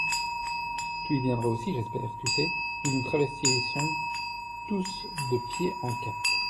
Tu y viendras aussi, j'espère ? Tu sais, nous nous travestissons tous de pied en cap.